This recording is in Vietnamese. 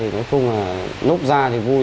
nói chung là lúc ra thì vui